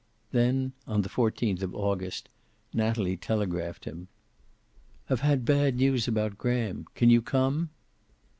Then, on the fourteenth of August, Natalie telegraphed him: "Have had bad news about Graham. Can you come?"